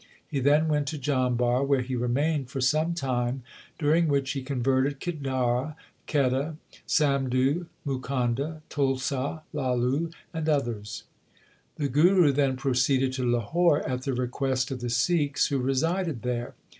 He then went to Jambar, where he remained for some time, during which he converted Kidara, Kheda, Samdu, Mukanda, Tulsa, Lalu, and others. LIFE OF GURU ARJAN 27 The Guru then proceeded to Lahore at the request of the Sikhs who resided there.